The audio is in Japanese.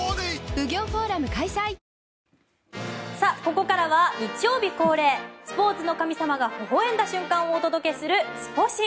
ここからは日曜日恒例スポーツの神様がほほ笑んだ瞬間をお届けするスポ神。